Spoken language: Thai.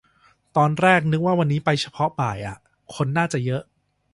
ตอนแรกนึกว่าวันนี้ไปเฉพาะบ่ายอ่ะ คนน่าจะเยอะ